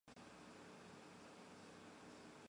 什叶派的法学家也认为取得监护人同意是必须的。